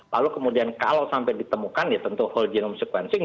lalu kemudian kalau sampai ditemukan ya tentu whole genome sequencing